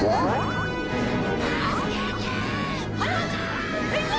助けてー！